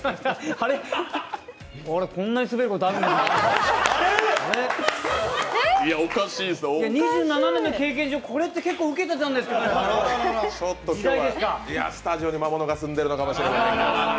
あれっ、こんなに滑ることあるんだな２７年の経験上、これって結構ウケてたんですけどね、時代ですかスタジオに魔物が住んでるのかもしれません。